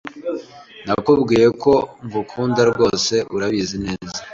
Nakubwiye ko ngukunda rwose urabizi neza